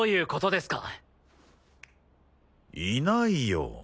いないよ。